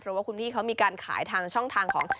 เพราะว่าคุณพี่เขามีการขายทางช่องทางของ